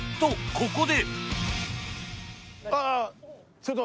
ここで